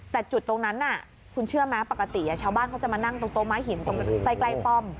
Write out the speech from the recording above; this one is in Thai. แต่จุดตรงนั้นคุณเชื่อไหมปกติชาวบ้านเขาจะมานั่งตรงโต๊ม้าหินตรงใกล้ป้อม